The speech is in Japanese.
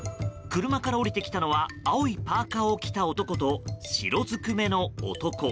車から降りてきたのは青いパーカを着た男と白ずくめの男。